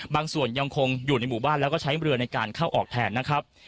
ส่วนยังคงอยู่ในหมู่บ้านแล้วก็ใช้เรือในการเข้าออกแทนนะครับ